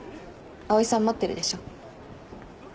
蒼井さん待ってるでしょ。